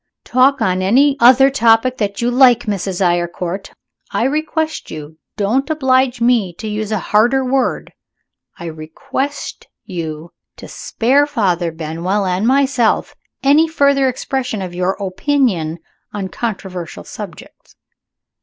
"Talk on any other topic that you like, Mrs. Eyrecourt. I request you don't oblige me to use a harder word I request you to spare Father Benwell and myself any further expression of your opinion on controversial subjects."